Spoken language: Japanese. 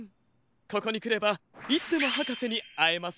ここにくればいつでもはかせにあえますね。